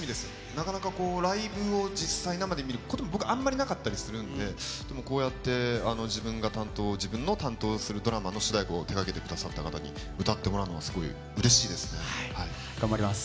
なかなかこう、ライブを実際生で見ることも、僕、あんまりなかったりするんで、でもこうやって自分が担当、自分の担当するドラマの主題歌を手がけてくださった方に歌っても頑張ります。